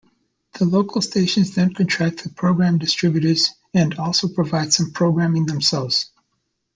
The local stations then contract with program distributors and also provide some programming themselves.